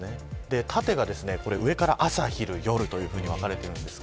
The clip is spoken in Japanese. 縦が上から朝昼夜と分かれています。